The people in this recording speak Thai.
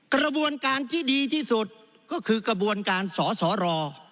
กระบวนการที่ดีที่สุดก็คือกระบวนการสอสอรอ